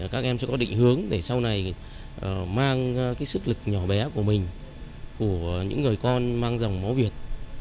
các em sẽ có định hướng để sau này mang sức lực nhỏ bé của mình của những người con mang dòng máu việt